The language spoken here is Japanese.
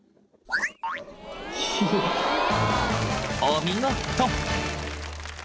［お見事］